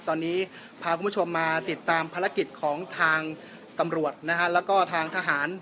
ตอนนี้พาคุณผู้ชมมาติดตามภารกิจของทางตำรวจนะฮะแล้วก็ทางทหาร